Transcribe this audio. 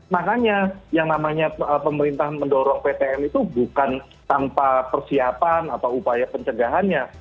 makanya yang namanya pemerintah mendorong ptm itu bukan tanpa persiapan atau upaya pencegahannya